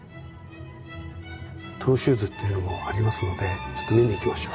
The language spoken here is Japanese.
トゥ・シューズというのもありますので見に行きましょう。